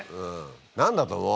何だと思う？